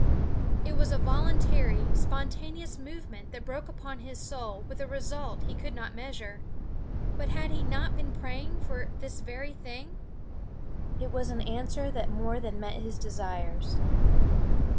It was a voluntary, spontaneous movement that broke upon his soul with a result he could not measure. But had he not been praying for is very thing? It was an answer that more than met his desires.